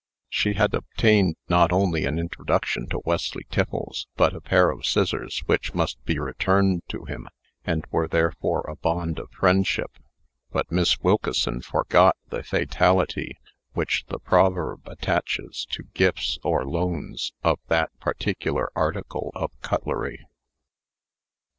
She had obtained not only an introduction to Wesley Tiffles, but a pair of scissors which must be returned to him, and were therefore a bond of friendship. But Miss Wilkeson forgot the fatality which the proverb attaches to gifts or loans of that particular article of cutlery.